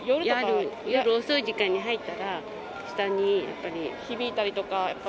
夜遅い時間に入ったら、下にやっぱり響いたりとか。